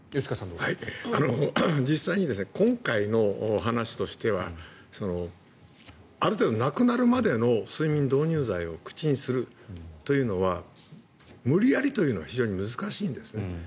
実際に今回の話としてはある程度亡くなるまでの睡眠導入剤を口にするというのは無理やりというのは非常に難しいんですね。